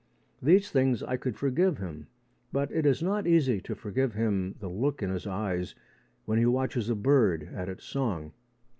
These things I could forgive him, but it is not easy to forgive him the look in his eyes when he watches a bird at its song.